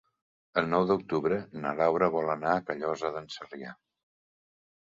El nou d'octubre na Laura vol anar a Callosa d'en Sarrià.